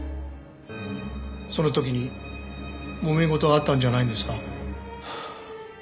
その時にもめ事があったんじゃないんですか？